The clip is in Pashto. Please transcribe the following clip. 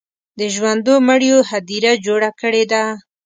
د ژوندو مړیو هدیره جوړه کړې ده.